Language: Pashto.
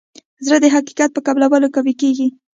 زړه د حقیقت په قبلولو قوي کېږي.